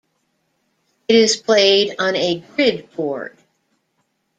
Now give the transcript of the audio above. It is played on a "grid board".